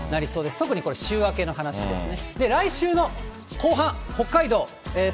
特にこれ、週明けの話ですね。